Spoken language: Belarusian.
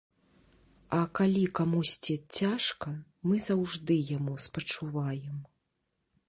А калі камусьці цяжка, мы заўжды яму спачуваем.